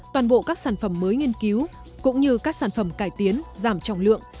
toàn bộ các sản phẩm mới nghiên cứu cũng như các sản phẩm cải tiến giảm trọng lượng